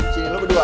sini lo berdua